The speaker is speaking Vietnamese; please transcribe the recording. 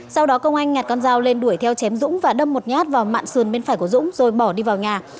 sau đó công anh nhặt con dao lên đuổi theo chém dũng và đâm một nhát vào mạng sườn bên phải của dũng rồi bỏ đi vào nhà